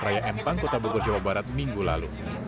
raya empang kota bogor jawa barat minggu lalu